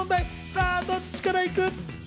さぁ、どっちからいく？